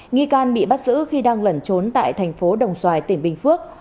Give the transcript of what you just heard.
nghi can bị bắt giữ khi đang lẩn trốn tại thành phố đồng xoài tỉnh bình phước